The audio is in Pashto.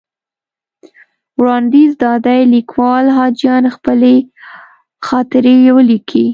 وړاندیز دا دی لیکوال حاجیان خپلې خاطرې ولیکي.